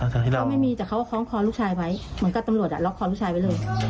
ก็ไม่มีแต่เขาก็คล้องคอลูกชายไว้เหมือนกับตำรวจล็อกคอลูกชายไว้เลย